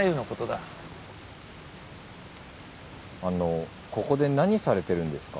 あのここで何されてるんですか？